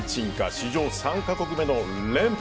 史上３か国目の連覇